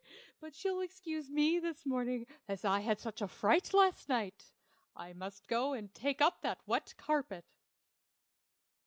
But you'll excuse me this morning, as I had such a fright last night. I must go and take up that wet carpet."